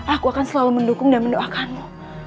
aku akan selalu mendukung dan mendoakanmu